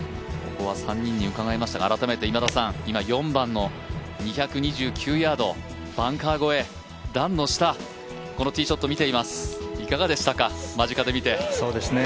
ここは３人に伺います、改めて今田さん、今４番の２２９ヤードバンカー越え、段の下、このティーショット見ています、いかがでしたか、間近で見て。